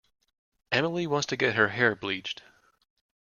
Emily wants to get her hair bleached.